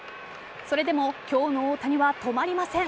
それでも今日の大谷は止まりません。